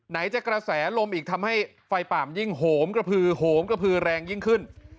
จะกระแสลมอีกทำให้ไฟป่ามันยิ่งโหมกระพือโหมกระพือแรงยิ่งขึ้น